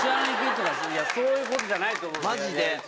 そういうことじゃないと思う。